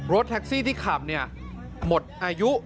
รถแท็กซี่ที่ขับหมดอายุ